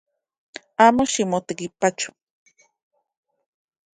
Amo ximotekipacho